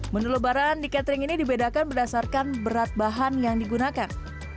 menu lebaran di catering ini dibedakan berdasarkan berat bahan yang digunakan